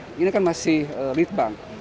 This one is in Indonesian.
karena kan masih lead bank